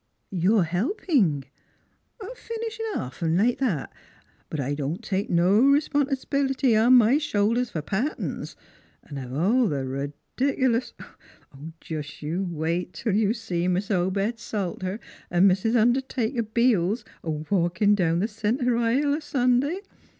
"You are helping?" " Finishin' off 'n' like that. But I don't take no respons'bility on my shoulders for patterns; an' of all th' redic'lous Jest you wait tell you see Mis' Obed Salter an' Mis' Undertaker Beels a walkin' down the center aisle a Sunday.